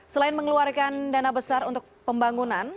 selain mengeluarkan dana besar untuk pembangunan